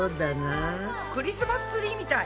クリスマスツリーみたい。